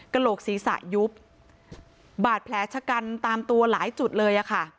โหลกศีรษะยุบบาดแผลชะกันตามตัวหลายจุดเลยอะค่ะ